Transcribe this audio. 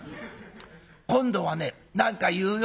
今度はね何か言うよ。